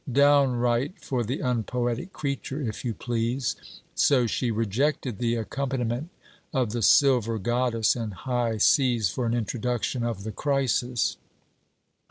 Downright, for the unpoetic creature, if you please! So she rejected the accompaniment of the silver Goddess and high seas for an introduction of the crisis.